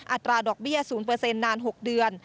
อัตราดอกเบี้ย๐นาน๖เดือน